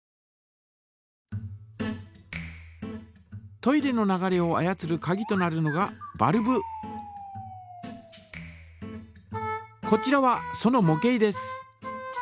トイレの流れを操るかぎとなるのがこちらはそのも型です。